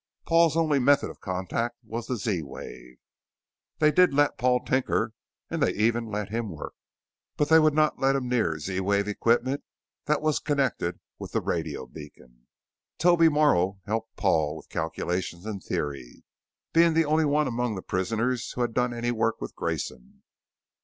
Paul's only method of contact was the Z wave. They did let Paul tinker, and they even let him work, but they would not let him near Z wave equipment that was connected with the radio beacon. Toby Morrow helped Paul with calculations and theory, being the only one among the prisoners who had done any work with Grayson.